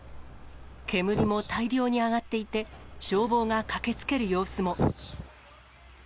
煙も大量に上がっていて、消防が駆けつける様子も。